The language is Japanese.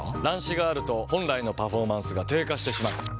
乱視があると本来のパフォーマンスが低下してしまう。